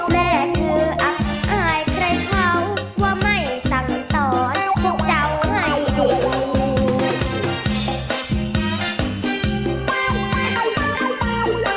แม่คืออับอายใครเขาว่าไม่สั่งสอนทุกเจ้าให้ดู